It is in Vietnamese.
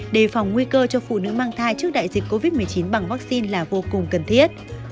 đề phòng nguy cơ cho phụ nữ mang thai trước đại dịch covid một mươi chín bằng vaccine là vô cùng cần thiết